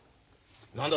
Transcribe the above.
何だ？